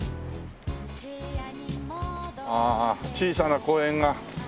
ああ小さな公園が。